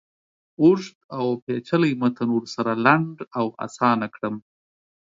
اوږد اوپیچلی متن ورسره لنډ او آسانه کړم.